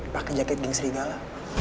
pakai jaket geng serigala